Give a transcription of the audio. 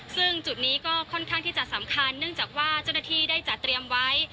ซึ่งจุดนี้ก็ค่อนข้างที่จะสำคัญเนื่องจากว่าเจ้าหน้าที่ได้จัดเตรียมไว้